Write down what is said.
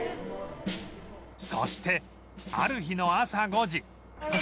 そしてある日の朝５時